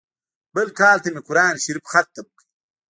بل کال ته مې قران شريف ختم کړ.